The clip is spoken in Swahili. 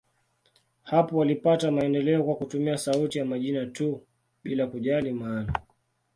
Hapo walipata maendeleo kwa kutumia sauti ya majina tu, bila kujali maana.